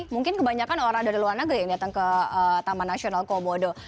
mungkin kebanyakan orang dari luar negeri yang datang ke taman nasional komodo